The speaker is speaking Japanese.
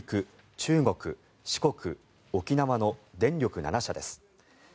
中国、四国、沖縄の電力７社です。